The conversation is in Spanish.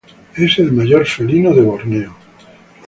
Es el mayor felino de Borneo.